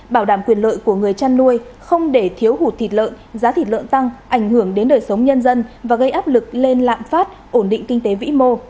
bảo đảm quyền lợi của người chăn nuôi không để thiếu hụt thịt lợn giá thịt lợn tăng ảnh hưởng đến đời sống nhân dân và gây áp lực lên lạm phát ổn định kinh tế vĩ mô